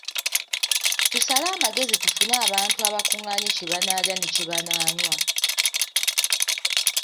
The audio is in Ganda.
Tusale amagezi tufune abantu abakungaanye kye banaalya ne kye banaanywa.